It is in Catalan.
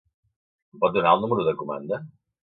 Em pot donar el número de comanda?